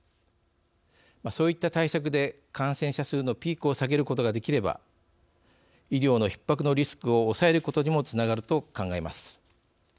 そういった対策で感染者数のピークを下げることができれば医療のひっ迫のリスクを抑えることにもつながると考えます。